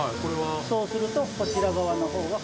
そうするとこちら側のほうが。